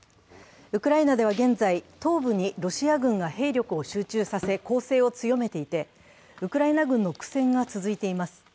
ウクライナでは現在、東部にロシア軍が兵力を集中させ、攻勢を強めていて、ウクライナ軍の苦戦が続いています。